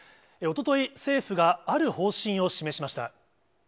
おととい、政府が、ある方針を示しました。